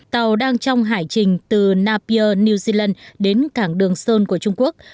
tàu đang trong hải trình từ napier new zealand đến cảng đường sơn của trung quốc